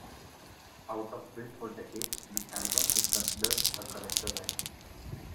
Out of print for decades, the album is considered a collectors' item.